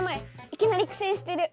いきなりくせんしてる！